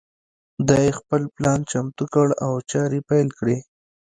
دای خپل پلان چمتو کړ او چارې پیل کړې.